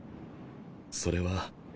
それは。